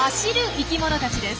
生きものたちです。